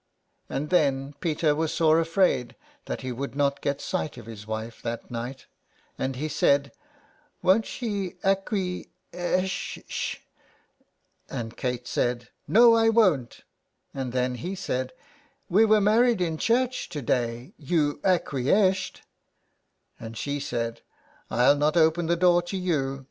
79 SOME PARISHIONERS. And then Peter was sore afraid that he would not get sight of his wife that night, and he said :—" Won't she acquie esh sh ?" And Kate said :—" No, I won't.'' And then he said :—'' We were married in church — to day, you acquie eshed." And she said :—" I'll not open the door to you.